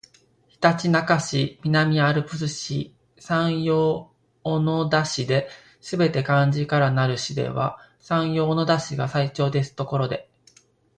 ひたちなか市、南アルプス市、山陽小野田市ですべて漢字からなる市では山陽小野田市が最長ですところで